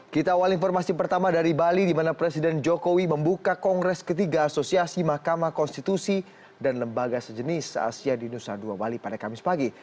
kita awal informasi pertama dari bali di mana presiden jokowi membuka kongres ketiga asosiasi mahkamah konstitusi dan lembaga sejenis se asia di nusa dua bali pada kamis pagi